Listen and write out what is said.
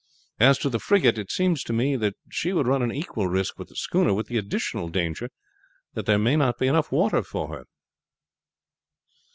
As to the frigate, it seems to me that she would run an equal risk with the schooner, with the additional danger that there may not be water enough for her."